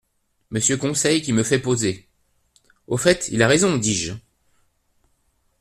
Monsieur Conseil qui me fait poser ! —Au fait, il a raison, dis-je.